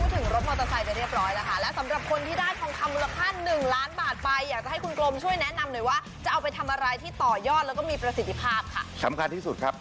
ว่าจะเอาไปทำอะไรที่ต่อยอดแล้วก็มีประสิทธิภาพค่ะสำคัญที่สุดครับ